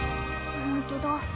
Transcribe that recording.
ほんとだ。